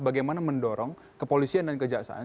bagaimana mendorong kepolisian dan kejaksaan